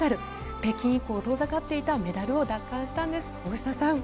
北京以降、遠ざかっていたメダルを奪還したんです。